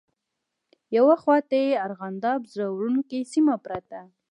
یوه خواته یې ارغنداب زړه وړونکې سیمه پرته.